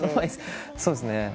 そうっすね。